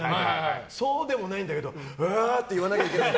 そうでもないんだけどうわーって言わなきゃいけない